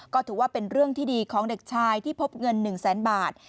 ก็ถือว่าเป็นเรื่องที่ดีของเด็กชายที่พบเงิน๑แสนบาท